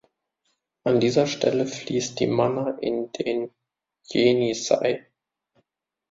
An dieser Stelle fließt die Mana in den Jenissei.